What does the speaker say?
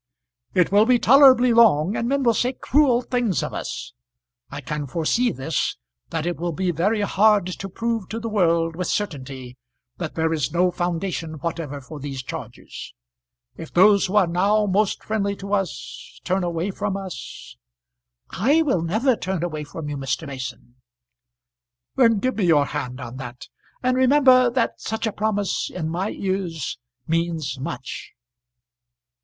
"It will be tolerably long, and men will say cruel things of us. I can foresee this, that it will be very hard to prove to the world with certainty that there is no foundation whatever for these charges. If those who are now most friendly to us turn away from us " "I will never turn away from you, Mr. Mason." "Then give me your hand on that, and remember that such a promise in my ears means much."